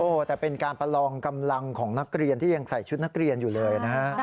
โอ้โหแต่เป็นการประลองกำลังของนักเรียนที่ยังใส่ชุดนักเรียนอยู่เลยนะฮะ